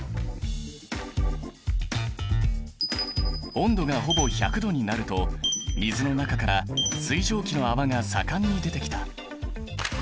温度がほぼ１００℃になると水の中から水蒸気の泡が盛んに出てきた。